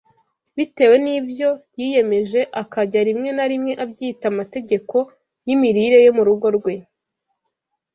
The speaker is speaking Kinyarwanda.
bitewe n’ibyo yiyemeje akajya rimwe na rimwe abyita amategeko y’imirire yo mu rugo rwe